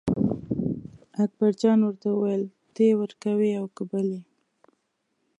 اکبرجان ورته وویل ته یې ورکوې او که بل یې.